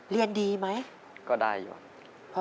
เรียนดีไหมก็ได้อยู่